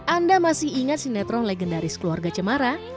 anda masih ingat senetron legendaris keluarga cumara